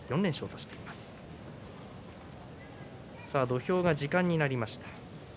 土俵が時間になりました。